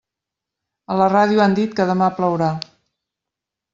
A la ràdio han dit que demà plourà.